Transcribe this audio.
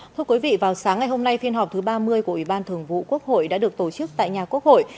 thưa quý vị vào sáng ngày hôm nay phiên họp thứ ba mươi của ủy ban thường vụ quốc hội đã được tổ chức tại nhà quốc hội